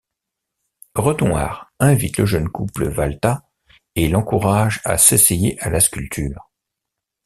Renoir invite le jeune couple Valtat et l'encourage à s'essayer à la sculpture.